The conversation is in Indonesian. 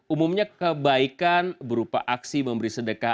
umumnya kebaikan berupa aksi memberi sedekah